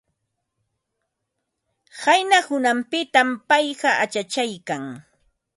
Qayna hunanpitam payqa achachaykan.